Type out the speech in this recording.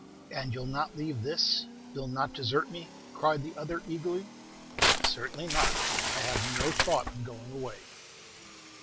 "And you'll not leave this, you'll not desert me?" cried the other, eagerly. "Certainly not; I have no thought of going away."